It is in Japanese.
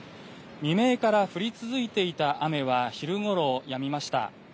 未明から降り続いていた雨は昼ごろやみました。